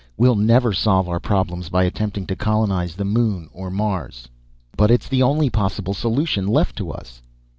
We'll never solve our problems by attempting to colonize the moon or Mars." "But it's the only possible solution left to us."